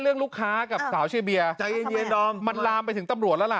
เรื่องลูกค้ากับสาวเชเบียใจเย็นเย็นดองมันลามไปถึงตำรวจแล้วล่ะ